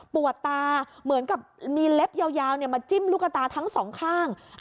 ปวดตาเหมือนกับมีเล็บยาวมาจิ้มลูกตาทั้งสองข้าง